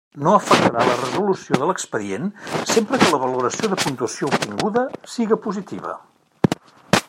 No afectarà la resolució de l'expedient sempre que la valoració de puntuació obtinguda siga positiva.